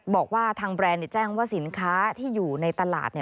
บอกว่าทางแบรนด์แจ้งว่าสินค้าที่อยู่ในตลาด